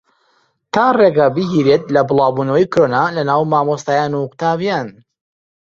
تا ڕێگە بگیرێت لە بڵاوبوونەوەی کۆرۆنا لەناو مامۆستایان و قوتابییان